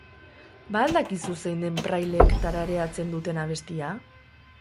Ba al dakizu zein den praileek tarareatzen duten abestia?